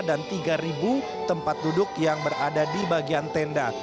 dan tiga tempat duduk yang berada di bagian tenda